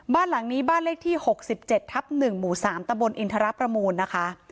บ้านหลังนี้บ้านเลขที่๖๗ทับ๑หมู่๓ตะบนอินทรประมูลนะคะ